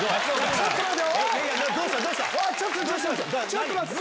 ちょっと待って。